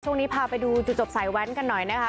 ช่วงนี้พาไปดูจุดจบสายแว้นกันหน่อยนะคะ